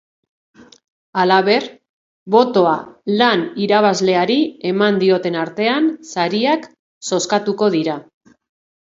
Halaber, botoa lan irabazleari eman dioten artean sariak zozkatuko dira.